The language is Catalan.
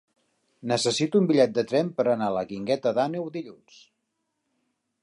Necessito un bitllet de tren per anar a la Guingueta d'Àneu dilluns.